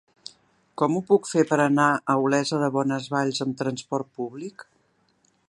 Com ho puc fer per anar a Olesa de Bonesvalls amb trasport públic?